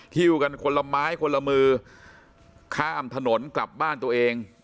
กันคนละไม้คนละมือข้ามถนนกลับบ้านตัวเอง